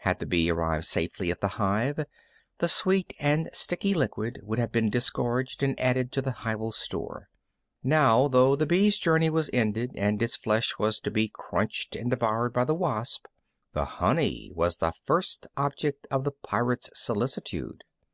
Had the bee arrived safely at the hive, the sweet and sticky liquid would have been disgorged and added to the hival store. Now, though the bee's journey was ended and its flesh was to be crunched and devoured by the wasp, the honey was the first object of the pirate's solicitude.